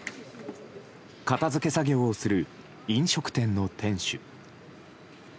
片付け作業をする飲食店の店主。